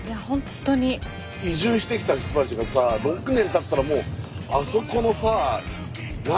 移住してきた人たちがさ６年たったらもうあそこのさ何？